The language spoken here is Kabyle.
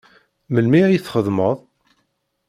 Melmi ay txeddmeḍ?